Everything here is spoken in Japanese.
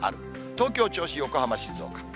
東京、銚子、横浜、静岡。